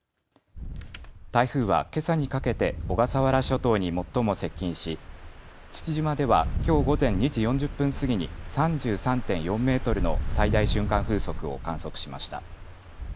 台風は、けさにかけて小笠原諸島に最も接近し父島ではきょう午前２時４０分過ぎに３３．４メートルの最大瞬間風速を観測しました。